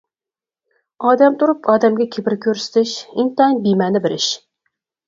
ئادەم تۇرۇپ ئادەمگە كىبىر كۆرسىتىش ئىنتايىن بىمەنە بىر ئىش.